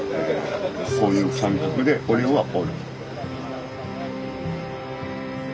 そういう感覚で俺はおる。